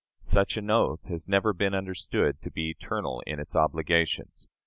Such an oath has never been understood to be eternal in its obligations.